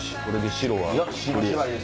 これで白は。